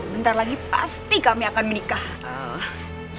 bentar lagi pasti kami akan menikah